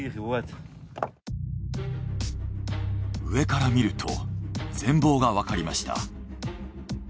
上から見ると全貌がわかりました。